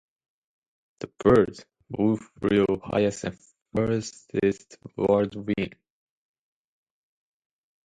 The bird who flew highest and furthest would win.